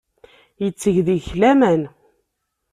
Yetteg deg-k laman.